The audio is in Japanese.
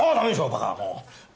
バカもう。